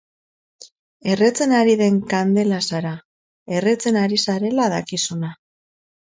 Erretzen ari den kandela zara, erretzen ari zarela dakizuna.